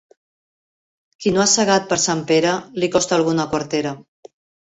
Qui no ha segat per Sant Pere, li costa alguna quartera.